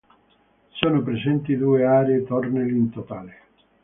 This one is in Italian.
Sono presenti due aree tornelli in totale.